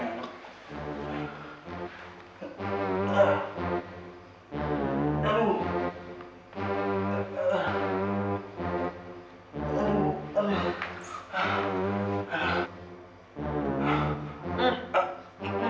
emang repotin ya